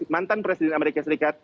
mantan presiden amerika serikat